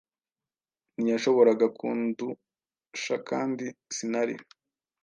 Ntiyashoboraga kundushakandi sinari